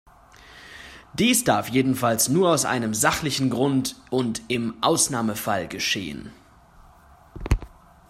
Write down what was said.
Dies darf jedenfalls nur aus einem sachlichen Grund und im Ausnahmefall geschehen.